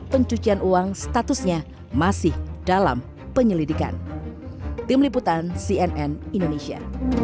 pencucian uang statusnya masih dalam penyelidikan tim liputan cnn indonesia